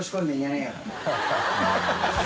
ハハハ